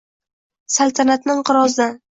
Saltanatni inqirozdan